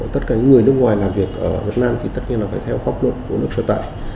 tất cả những người nước ngoài làm việc ở việt nam thì tất nhiên là phải theo pháp luật của nước sở tại